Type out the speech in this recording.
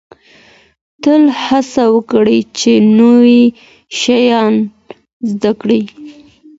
تل هڅه وکړئ چي نوي شیان زده کړئ.